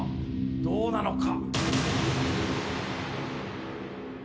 どうなのか。